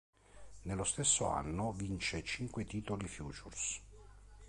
Nello stesso anno vince cinque titoli Futures.